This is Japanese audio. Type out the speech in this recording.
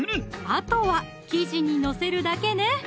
あとは生地に載せるだけね！